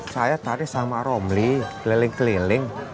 saya tarik sama romli keliling keliling